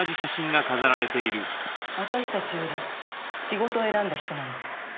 私たちより仕事を選んだ人なんです。